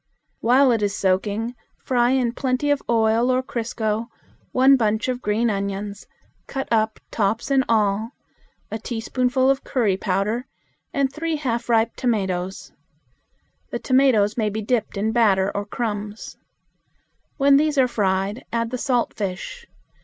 While it is soaking, fry in plenty of oil or crisco one bunch of green onions, cut up tops and all, a teaspoonful of curry powder, and three half ripe tomatoes. The tomatoes may be dipped in batter or crumbs. When these are fried add the salt fish.